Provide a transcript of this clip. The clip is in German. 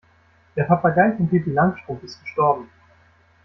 Der Papagei von Pippi Langstrumpf ist gestorben.